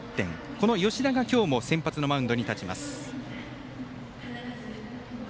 この吉田が今日も先発のマウンドに立ちます。